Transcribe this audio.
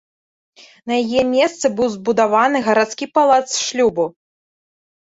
На яе месцы быў збудаваны гарадскі палац шлюбу.